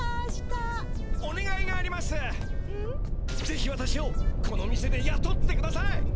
ぜひわたしをこの店でやとってください！